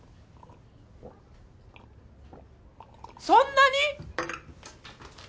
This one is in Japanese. そんなに！？